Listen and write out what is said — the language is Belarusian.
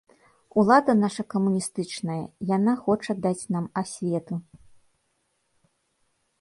Улада наша камуністычная, яна хоча даць нам асвету.